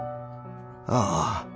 ああ。